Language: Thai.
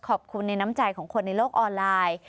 ขอบคุณในน้ำใจของคนในโลกออนไลน์